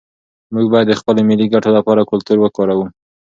موږ باید د خپلو ملي ګټو لپاره کلتور وکاروو.